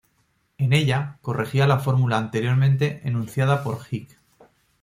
En ella, corregía la fórmula anteriormente enunciada por Hick.